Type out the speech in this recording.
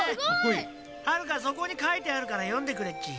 はるかそこにかいてあるからよんでくれっち。